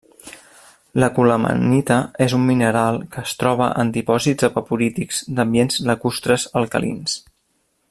La colemanita és un mineral que es troba en dipòsits evaporítics d'ambients lacustres alcalins.